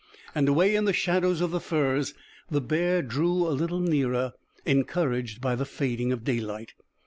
And away in the shadows of the firs the bear drew a little nearer, encouraged by the fading of daylight.